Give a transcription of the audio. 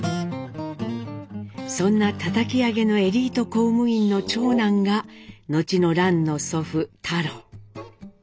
そんなたたき上げのエリート公務員の長男が後の蘭の祖父太郎。